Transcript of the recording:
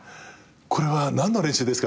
これは何の練習ですか？